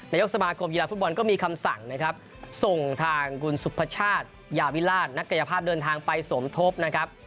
นายกสมาคมกีฬาฟุตบอลก็มีคำสั่งนะครับส่งทางคุณสุพชาติยาวิราชนักกายภาพเดินทางไปสมทบนะครับ